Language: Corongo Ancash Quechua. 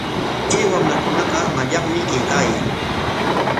Kay wamrakunaqa mallaqmi kaykaayan.